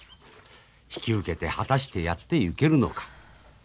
引き受けて果たしてやっていけるのか。